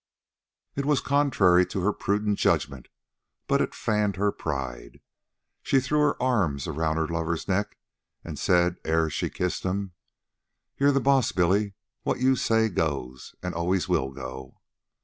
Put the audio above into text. It was contrary to her prudent judgment, but it fanned her pride. She threw her arms around her lover's neck, and said, ere she kissed him: "You're the boss, Billy. What you say goes, and always will go."